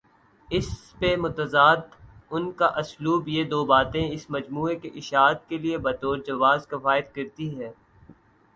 اس پہ مستزاد ان کا اسلوب یہ دوباتیں اس مجموعے کی اشاعت کے لیے بطورجواز کفایت کرتی ہیں۔